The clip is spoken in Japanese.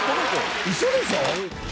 ウソでしょ？